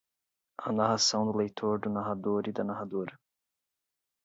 A narração do leitor do narrador e da narradora